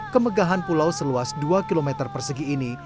kemegahan pulau seluas dua km persegi ini